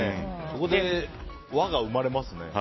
ここで輪が生まれますね。